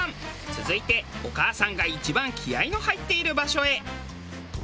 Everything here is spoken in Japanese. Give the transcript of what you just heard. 続いてお母さんが一番気合の入っている場所へ。